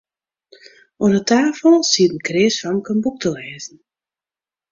Oan 'e tafel siet in kreas famke in boek te lêzen.